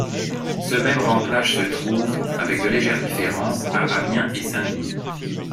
Ce même remplage se trouve, avec de légères différences, à Amiens et Saint-Denis.